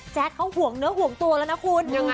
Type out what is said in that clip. เขาห่วงเนื้อห่วงตัวแล้วนะคุณ